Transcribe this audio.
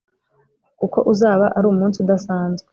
kuko uzaba ari umunsi udasanzwe